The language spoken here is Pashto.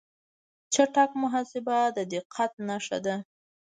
چټک محاسبه د دقت نښه ده.